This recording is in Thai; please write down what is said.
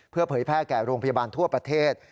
เพื่อเผยแพร่แก่โรงพยาบาลทั่วประเทศ